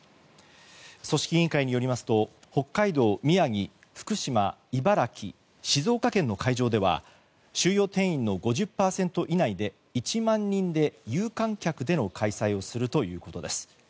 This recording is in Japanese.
組織委員会によりますと北海道、宮城福島、茨城、静岡県の会場では収容定員の５０％以内で１万人で、有観客での開催をするということです。